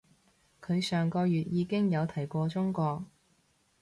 佢上個月已經有提過中國